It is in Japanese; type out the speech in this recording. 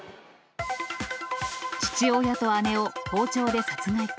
父親と姉を包丁で殺害か。